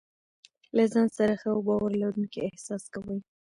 له ځان سره ښه او باور لرونکی احساس کوي.